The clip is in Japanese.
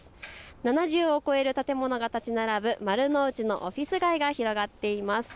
７０を超える建物が建ち並ぶ丸の内のオフィス街が広がっています。